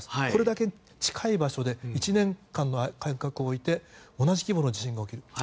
これだけ近い場所で１年間の間隔を置いて同じ規模の地震が起きる。